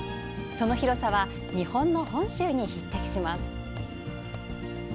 その広さは日本の本州に匹敵します。